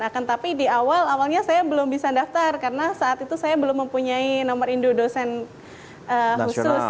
akan tapi di awal awalnya saya belum bisa daftar karena saat itu saya belum mempunyai nomor induk dosen khusus